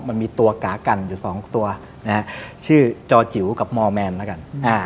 มันมีตัวกากันอยู่๒ตัวชื่อจอจิ๋วกับมอร์แมนแล้วกัน